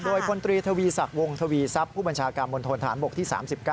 โดยผลตรีทวีสักวงทวีทรัพย์ผู้บัญชากรบนโทรธานบกที่๓๙